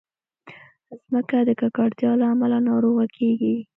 مځکه د ککړتیا له امله ناروغه کېږي.